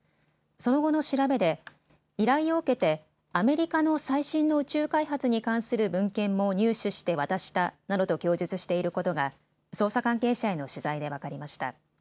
その後の調べで依頼を受けてアメリカの最新の宇宙開発に関する文献も入手して渡したなどと供述していることが捜査関係者への取材で分かりました。